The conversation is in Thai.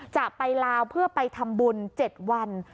จะไปลาวเพื่อไปทำบุญ๗วัน